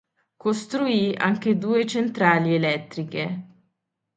Costruì anche due centrali elettriche.